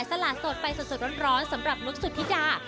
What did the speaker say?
ตลาดสดไปสดร้อนสำหรับนุ๊กสุธิดา